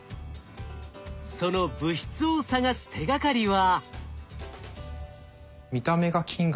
その物質を探す手がかりは。